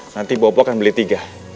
nanti bobo akan beli tiga